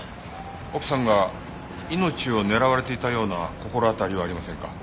奥さんが命を狙われていたような心当たりはありませんか？